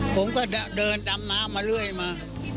ผมก็เดินดำน้ำมาเรื่อยมา